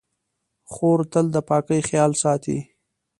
خور تل د پاکۍ خیال ساتي.